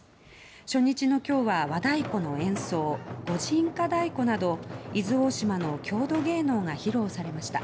初日の今日は和太鼓の演奏御神火太鼓など伊豆大島の郷土芸能が披露されました。